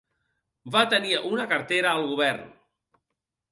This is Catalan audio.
Va tenir una cartera al govern.